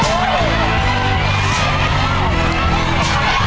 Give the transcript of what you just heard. อย่าทำความเข้าใจ